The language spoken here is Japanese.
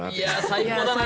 最高だな！